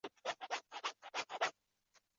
这场战役在墨西哥具有重要的历史意义。